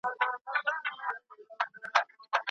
بې روحه کالبد مړ وي.